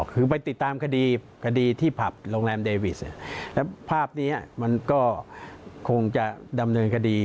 คือไปติดตามคดีคดีที่ผับโรงแรมเดวิสแล้วภาพนี้มันก็คงจะดำเนินคดี